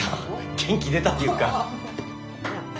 元気出たっていうか。